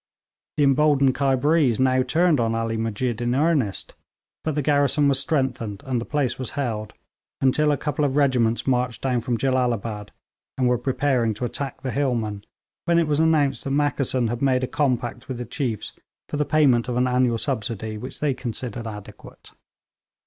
The emboldened Khyberees now turned on Ali Musjid in earnest; but the garrison was strengthened, and the place was held until a couple of regiments marched down from Jellalabad, and were preparing to attack the hillmen, when it was announced that Mackeson had made a compact with the chiefs for the payment of an annual subsidy which they considered adequate.